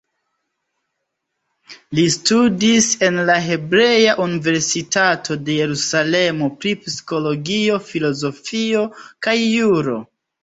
Li studis en la Hebrea Universitato de Jerusalemo pri psikologio, filozofio kaj juro.